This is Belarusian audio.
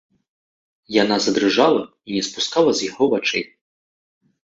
Яна задрыжала і не спускала з яго вачэй.